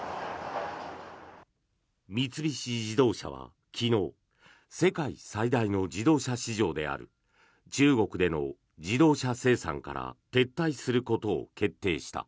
三菱自動車は昨日世界最大の自動車市場である中国での自動車生産から撤退することを決定した。